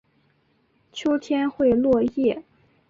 秋天会落叶。